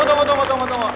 eh tunggu tunggu tunggu